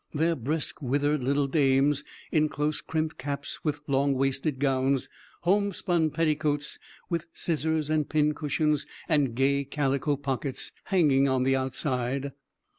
Their brisk, withered little dames, in close crimped caps, long waisted gowns, homespun petticoats, with scissors and pin cushions, and gay calico pockets hanging on the outside.